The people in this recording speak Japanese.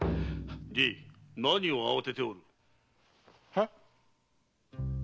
爺何を慌てておる？は？